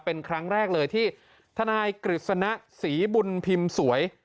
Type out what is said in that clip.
เป็นครั้งแรกเลยที่ทนายกฤษณะศรีบุญพิมพ์สวย